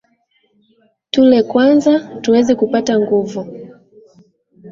Tule kwanza tuweze kupata nguvu.